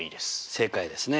正解ですね。